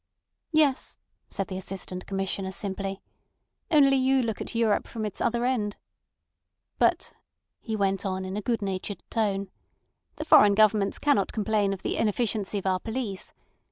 "Yes," said the Assistant Commissioner simply. "Only you look at Europe from its other end. But," he went on in a good natured tone, "the foreign governments cannot complain of the inefficiency of our police.